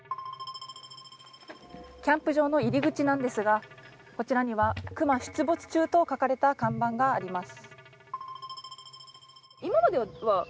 キャンプ場の入り口なんですが、こちらには「熊出没中」と書かれた看板があります。